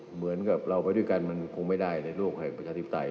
เหมือนกับเราไปด้วยกันมันคงไม่ได้ในโลกแห่งประชาธิปไตย